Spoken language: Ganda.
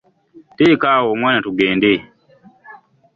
Teeka awo omwana tugende.